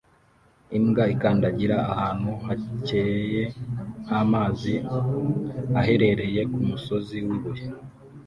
Imbwa ikandagira ahantu hakeye h'amazi aherereye kumusozi wubuye